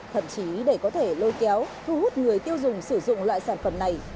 thậm chí để có thể lôi kéo thu hút người tiêu dùng sử dụng loại sản phẩm này